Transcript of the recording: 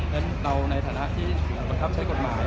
ฉะนั้นเราในฐานะที่บังคับใช้กฎหมาย